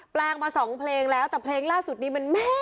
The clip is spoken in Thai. แปลงมาสองเพลงแล้วแต่เพลงล่าสุดนี้มันแม่